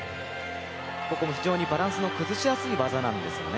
ここも非常にバランスの崩しやすい技ですよね。